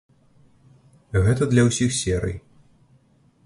Гэта для ўсіх серый.